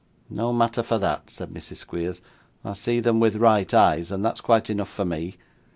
'No matter for that,' said Mrs. Squeers; 'I see them with right eyes, and that's quite enough for me.